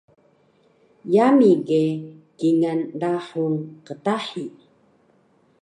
Yami ge kingal rahul qtahi